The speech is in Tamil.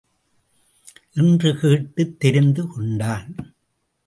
என்று கேட்டுத் தெரிந்து கொண்டான்.